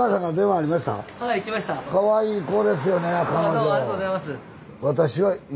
ありがとうございます。